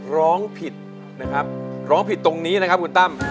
ร้องผิดนะครับร้องผิดตรงนี้นะครับคุณตั้ม